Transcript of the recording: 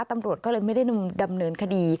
ตำรวจก็เลยไม่ได้ดำเนินคดี